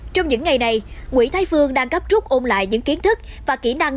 trong những ngày này nguyễn thái phương đang gấp trúc ôn lại những kiến thức và kỹ năng